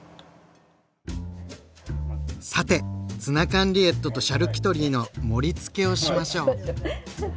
さて「ツナ缶リエットとシャルキュトリー」の盛りつけをしましょう！